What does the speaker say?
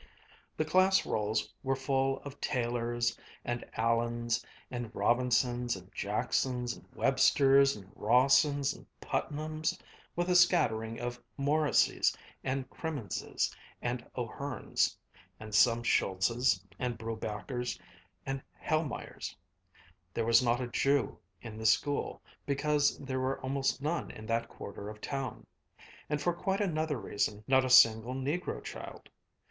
The class rolls were full of Taylors and Aliens and Robinsons and Jacksons and Websters and Rawsons and Putnams, with a scattering of Morrisseys and Crimminses and O'Hearns, and some Schultzes and Brubackers and Helmeyers. There was not a Jew in the school, because there were almost none in that quarter of town, and, for quite another reason, not a single negro child.